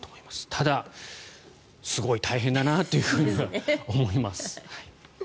ただ、すごい大変だなというふうには思います。